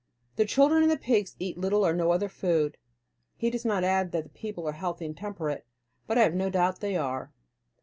The children and the pigs eat little or no other food. He does not add that the people are healthy and temperate, but I have no doubt they are.